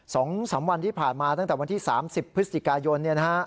สองสามวันที่ผ่านมาตั้งแต่วันที่๓๐พฤศจิกายน